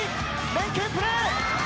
連係プレー！